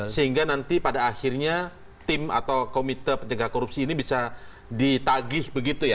sehingga nanti pada akhirnya tim atau komite penjaga korupsi ini bisa ditagih begitu ya